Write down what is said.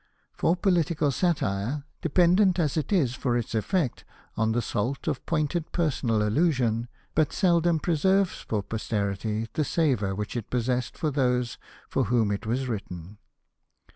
For political satire, dependent as it is for its effect on the salt of pointed personal allusion, but seldom preserves for posterity the savour which it possessed for those for whom it was written.